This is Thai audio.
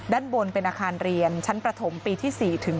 ด้านบนเป็นอาคารเรียนชั้นประถมปีที่๔ถึง